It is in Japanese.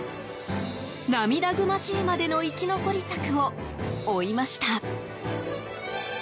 涙ぐましいまでの生き残り策を追いました。